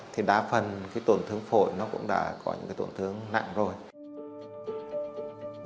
thì đa phần cái tổn thương phổi nó cũng đã có những cái tổn thương nặng rồi